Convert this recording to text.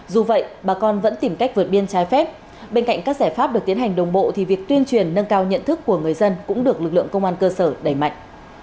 dù vậy bà con vẫn tìm cách vượt biên trái phép bên cạnh các giải pháp được tiến hành đồng bộ thì việc tuyên truyền nâng cao nhận thức của người dân cũng được lực lượng công an cơ sở đẩy mạnh